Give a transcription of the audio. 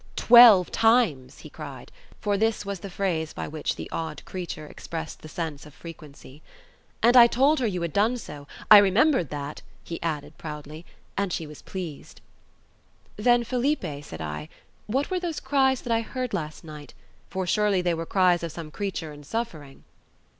"Twelve times!" he cried; for this was the phrase by which the odd creature expressed the sense of frequency. "And I told her you had done so—I remembered that," he added proudly—"and she was pleased." "Then, Felipe," said I, "what were those cries that I heard last night? for surely they were cries of some creature in suffering."